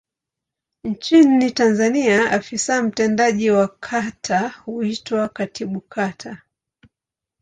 Nchini Tanzania afisa mtendaji wa kata huitwa Katibu Kata.